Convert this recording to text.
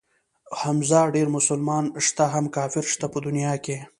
حمزه ډېر مسلمانان شته هم کافر شته په دنيا کښې.